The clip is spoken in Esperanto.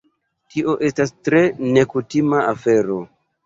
Tio estas tre nekutima afero.